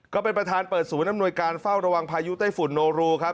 ก็เป็นประธานเปิดศูนย์อำนวยการเฝ้าระวังพายุไต้ฝุ่นโนรูครับ